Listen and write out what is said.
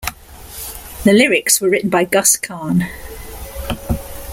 The lyrics were written by Gus Kahn.